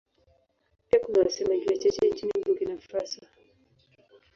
Pia kuna wasemaji wachache nchini Burkina Faso.